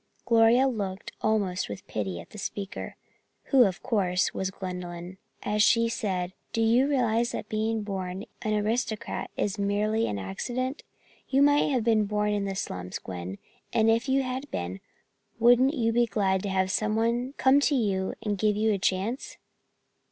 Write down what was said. Gloria looked almost with pity at the speaker, who, of course, was Gwendolyn, as she said: "Do you realize that being born an aristocrat is merely an accident? You might have been born in the slums, Gwen, and if you had been, wouldn't you be glad to have someone come to you and give you a chance?"